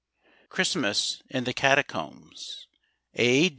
CHRISTMAS IN THE CATACOMBS A.